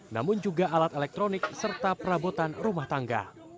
namun juga alat elektronik serta perabotan rumah tangga